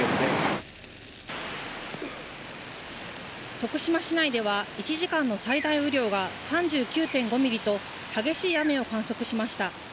徳島市内では一時間の最大雨量が３９．５ミリと激しい雨を観測しました。